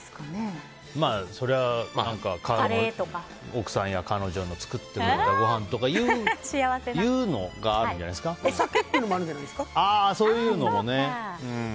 それは、奥さんや彼女の作ってくれたごはんというのがお酒っていうのもそういうのもね。